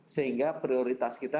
sehingga prioritas kita